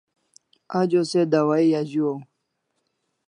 Ajo se dawahi azuaw